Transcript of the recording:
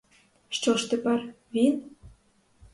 Що ж тепер — він?